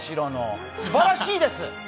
すばらしいです。